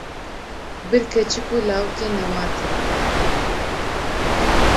Bir keçik û lawikê newatê